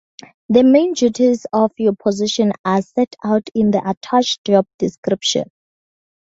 The main duties of your position are set out in the attached job description.